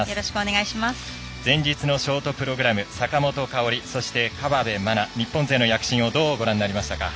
前日のショートプログラム坂本花織、そして河辺愛菜日本勢の躍進をどうご覧になりましたか？